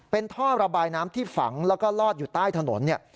เป็นท่อระบายน้ำที่ฝังแล้วก็ลอดอยู่ใต้ถนนเนี่ย